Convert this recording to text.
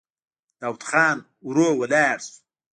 داوود خان ورو ولاړ شو.